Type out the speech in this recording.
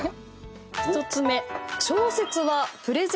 １つ目。